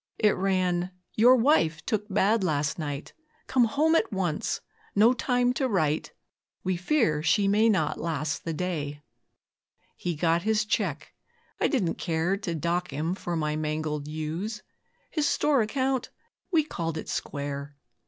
It ran, 'Your wife took bad last night; Come home at once no time to write, We fear she may not last the day.' He got his cheque I didn't care To dock him for my mangled ewes; His store account we 'called it square'.